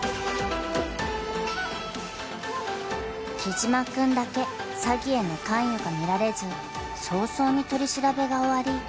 ［黄島君だけ詐欺への関与が見られず早々に取り調べが終わり］